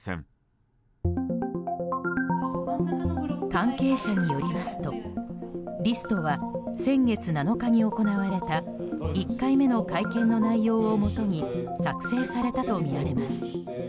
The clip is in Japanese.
関係者によりますとリストは先月７日に行われた１回目の会見の内容をもとに作成されたとみられます。